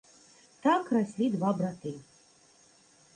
Так раслі два браты.